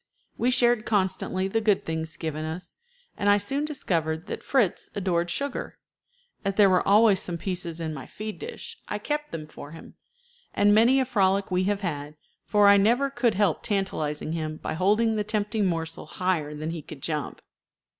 We shared constantly the good things given us, and I soon discovered that Fritz adored sugar. As there were always some pieces in my feed dish, I kept them for him, and many a frolic we have had, for I never could help tantalizing him by holding the tempting morsel higher than he could jump.